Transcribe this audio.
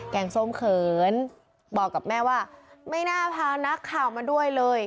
งส้มเขินบอกกับแม่ว่าไม่น่าพานักข่าวมาด้วยเลย